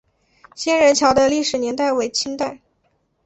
仙人桥的历史年代为清代。